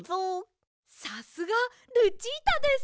さすがルチータです！